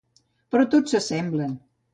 Però tots s'assemblen.